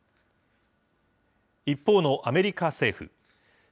一方のアメリカ政府。